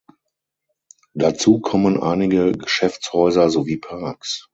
Dazu kommen einige Geschäftshäuser sowie Parks.